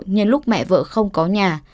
nhận lúc mẹ vợ không có nhà